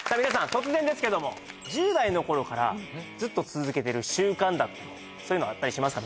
突然ですけども１０代の頃からずっと続けてる習慣だったりそういうのあったりしますか？